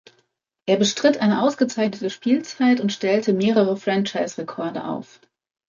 Er bestritt eine ausgezeichnete Spielzeit und stellte mehrere Franchise-Rekorde auf.